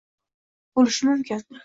Bo'lishi mumkin